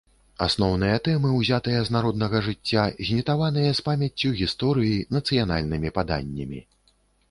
Асноўныя тэмы ўзятыя з народнага жыцця, знітаваныя з памяццю гісторыі, нацыянальнымі паданнямі.